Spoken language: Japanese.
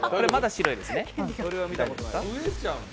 白ですね。